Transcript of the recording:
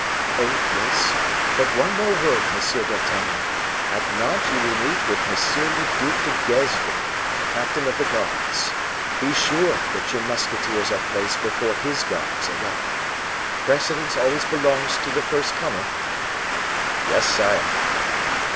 "Oh, yes; but one more word, Monsieur d'Artagnan. At Nantes you will meet with M. le Duc de Gesvres, captain of the guards. Be sure that your musketeers are placed before his guards arrive. Precedence always belongs to the first comer." "Yes, sire."